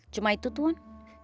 cuma itu tuan